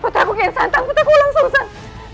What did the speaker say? putraku kena santang putraku langsung santang